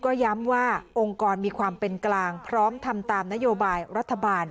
ก็ย้ำว่าองค์กรมีความเป็นกลางพร้อมทำตามนโยบายรัฐบาล